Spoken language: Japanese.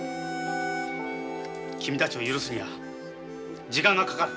君たちを許すには時間がかかる。